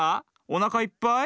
おなかいっぱい？